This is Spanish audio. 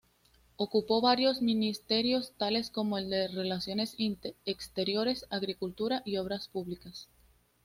Ocupó varios ministerios tales como el de Relaciones Exteriores, Agricultura y Obras Públicas.